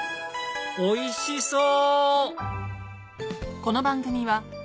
おいしそう！